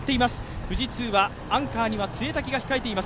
富士通はアンカーはに潰滝が控えています。